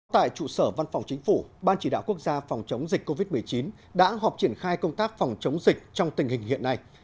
tại trụ sở văn phòng chính phủ ban chỉ đạo quốc gia phòng chống dịch covid một mươi chín đã họp triển khai công tác phòng chống dịch trong tình hình hiện nay